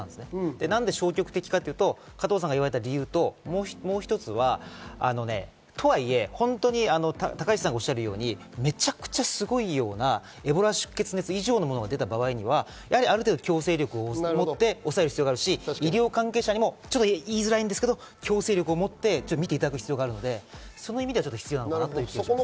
なんで消極的かっていうと、加藤さんが言われた理由ともう一つ、とはいえ本当に高市さんがおっしゃるように、めちゃくちゃすごいよなエボラ出血熱以上のものが出た場合、ある程度、強制力を持って、抑える必要があるし、医療関係者にも言いづらいんですけど、強制力を持ってみていただく必要があるので、そういう意味では必要かと思います。